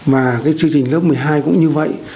mà cái chương trình lớp một mươi hai cũng như vậy